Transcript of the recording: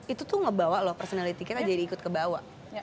itu tuh ngebawa loh personality kita jadi ikut kebawa